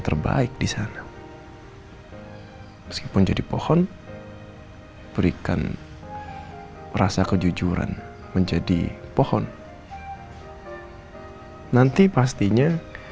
terbaik di sana meskipun jadi pohon berikan rasa kejujuran menjadi pohon nanti pastinya